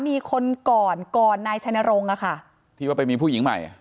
มีคนก่อนก่อนนายชัยนรงค์อะค่ะที่ว่าไปมีผู้หญิงใหม่